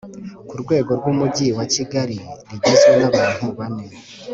ku rwego rw Umujyi wa Kigali rigizwe n abantu bane